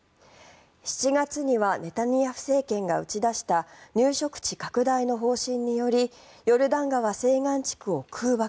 ７月にはネタニヤフ政権が打ち出した入植地拡大の方針によりヨルダン川西岸地区を空爆。